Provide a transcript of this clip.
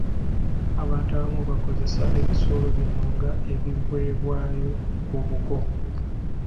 Abantu abamu bakozesa ebisolo bino ng'ebiweebwayo ku buko.